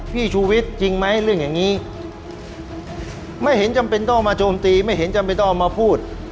ชูวิทย์จริงไหมเรื่องอย่างนี้ไม่เห็นจำเป็นต้องมาโจมตีไม่เห็นจำเป็นต้องเอามาพูด